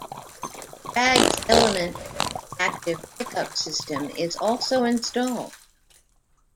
Baggs Element Active pickup system is also installed.